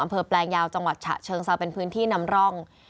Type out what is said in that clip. แปลงยาวจังหวัดฉะเชิงเซาเป็นพื้นที่นำร่อง